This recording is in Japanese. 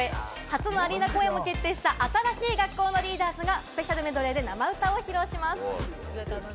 初のアリーナ公演も決定した、新しい学校のリーダーズがスペシャルメドレーで生歌を披露してくれます。